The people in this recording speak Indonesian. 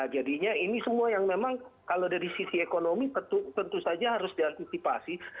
jadinya ini semua yang memang kalau dari sisi ekonomi tentu saja harus diantisipasi